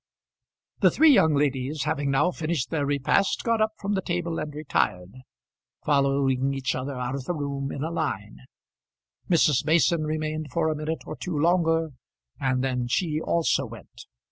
The three young ladies, having now finished their repast, got up from the table and retired, following each other out of the room in a line. Mrs. Mason remained for a minute or two longer, and then she also went.